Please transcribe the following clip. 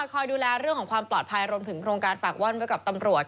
คอยดูแลเรื่องของความปลอดภัยรวมถึงโครงการฝากว่อนไว้กับตำรวจ